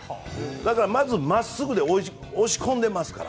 まず、真っすぐで押し込んでますから。